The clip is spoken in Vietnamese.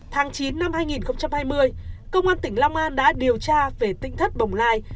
tháng chín năm hai nghìn hai mươi công an tỉnh long an đã điều tra về tinh thất bồng lai